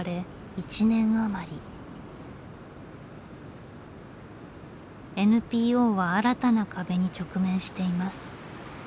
ＮＰＯは新たな壁に直面しています。